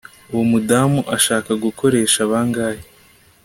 Uwo mudamu ashaka gukoresha bangahe